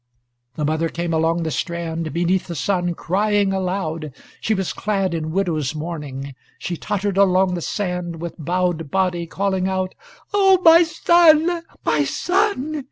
The mother came along the strand, beneath the sun, crying aloud. She was clad in widow's mourning. She tottered along the sand, with bowed body, calling out, "O my son! My son!"